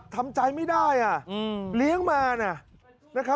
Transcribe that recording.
ทำใจไม่ได้เลี้ยงมา